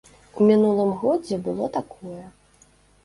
У мінулым годзе было такое.